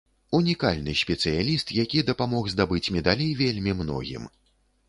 Унікальны спецыяліст, які дапамог здабыць медалі вельмі многім.